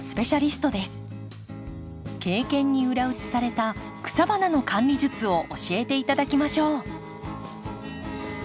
経験に裏打ちされた草花の管理術を教えて頂きましょう。